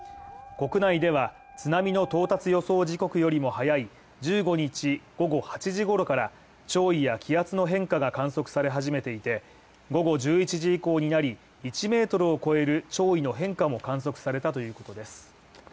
国内では、津波の到達予想時刻よりも早い１５日午後８時ごろから、潮位や気圧の変化が観測され始めていて、午後１１時以降になり１ｍを超える潮位の変化も観測されたということです。